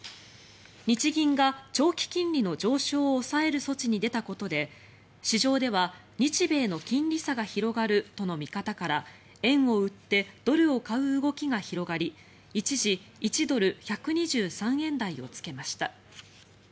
日銀が長期金利の上昇を抑える措置に出たことで市場では日米の金利差が広がるとの見方から円を売ってドルを買う動きが広がり一時１ドル＝１２３円台をつけました。